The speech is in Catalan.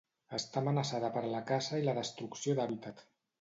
Està amenaçada per la caça i la destrucció d'hàbitat.